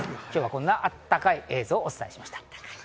今日はこんなあったかい映像をお伝えしました。